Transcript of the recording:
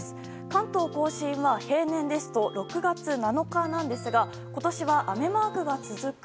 関東・甲信は平年ですと６月７日なんですが今年は雨マークが続く